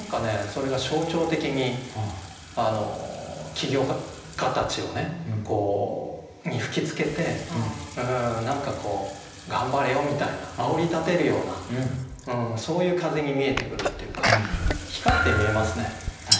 それが象徴的に起業家たちに吹きつけて何かこう頑張れよみたいなあおりたてるようなそういう風に見えてくるっていうか光って見えますね。